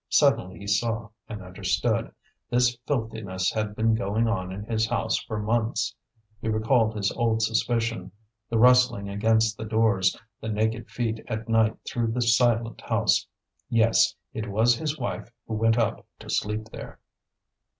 Suddenly he saw and understood; this filthiness had been going on in his house for months. He recalled his old suspicion, the rustling against the doors, the naked feet at night through the silent house. Yes, it was his wife who went up to sleep there!